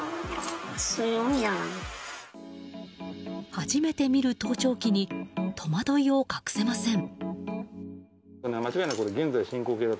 初めて見る盗聴器に戸惑いを隠せません。